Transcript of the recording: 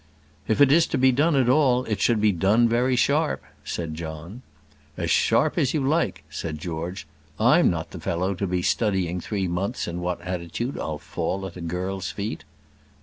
"If it is to be done at all, it should be done very sharp," said John. "As sharp as you like," said George. "I'm not the fellow to be studying three months in what attitude I'll fall at a girl's feet."